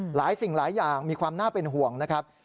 หลายสิ่งหลายอย่างมีความน่าเป็นห่วงนะครับ